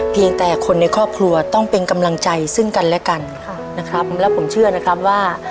เพียงแต่คนในครอบครัวต้องเป็นกำลังใจซึ่งกันและกันค่ะนะครับแล้วผมเชื่อนะครับว่า